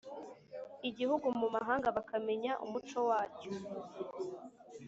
igihugu mu mahanga bakamenya umuco wacyo.